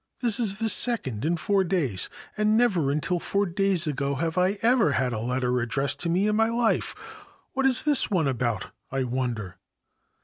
This is the second in four days, and never until four days ago have I had a letter addressed to me in my life. What is this one about, I wonder